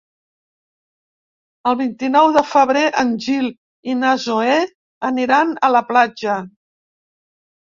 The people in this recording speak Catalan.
El vint-i-nou de febrer en Gil i na Zoè aniran a la platja.